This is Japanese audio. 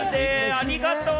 ありがとう！